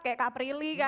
kayak kak prilly